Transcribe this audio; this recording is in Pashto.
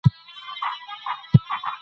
دغه غوښتنه كوي